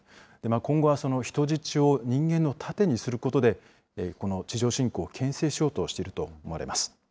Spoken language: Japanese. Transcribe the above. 今後は人質を人間の盾にすることで、この地上侵攻をけん制しようとしていると思われます。